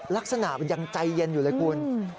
ลักษณะมันยังใจเย็นอยู่เลยคุณ